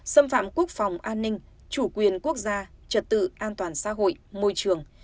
xâm phạm quốc phòng an ninh chủ quyền quốc gia trật tự an toàn xã hội môi trường